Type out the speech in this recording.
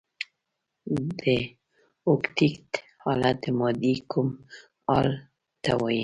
د اوکتیت حالت د مادې کوم حال ته وايي؟